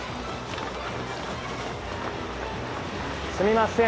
すみません。